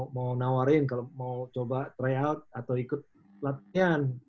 mau nawarin kalau mau coba tryout atau ikut latihan